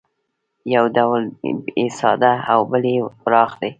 یو ډول یې ساده او بل یې پراخ دی